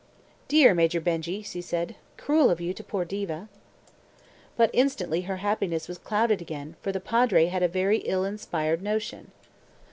"Dear Major Benjy," said she. "Cruel of you to poor Diva." But instantly her happiness was clouded again, for the Padre had a very ill inspired notion.